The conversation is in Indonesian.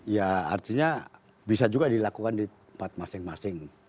ya artinya bisa juga dilakukan di tempat masing masing